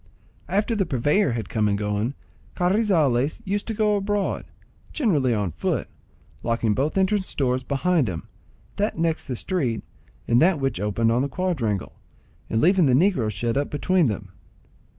After the purveyor had come and gone, Carrizales used to go abroad, generally on foot, locking both entrance doors behind him—that next the street, and that which opened on the quadrangle,—and leaving the negro shut up between them.